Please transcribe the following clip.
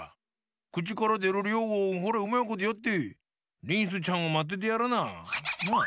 くちからでるりょうをホレうまいことやってリンスちゃんをまっててやらな。なあ！